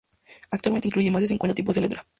Actualmente incluye más de cincuenta tipos de letra.